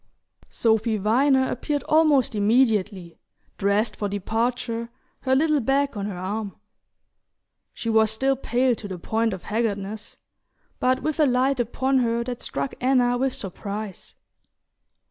Sophy Viner appeared almost immediately, dressed for departure, her little bag on her arm. She was still pale to the point of haggardness, but with a light upon her that struck Anna with surprise.